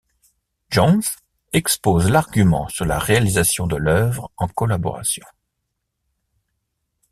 Jones expose l'argument sur la réalisation de l'œuvre en collaboration.